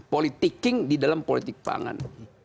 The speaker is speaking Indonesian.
politik king di dalam politik pangan